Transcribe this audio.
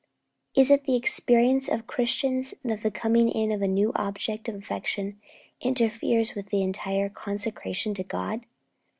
Is it the experience of Christians that the coming in of a new object of affection interferes with entire consecration to God?'